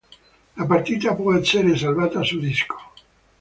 La partita può essere salvata su disco.